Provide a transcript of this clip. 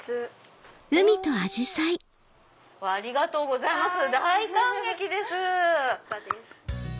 ありがとうございます。